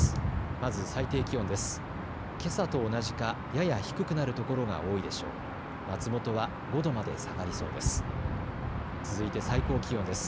まず最低気温です。